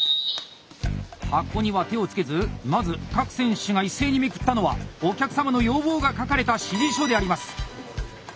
箱には手をつけずまず各選手が一斉にめくったのはお客様の要望が書かれた指示書であります！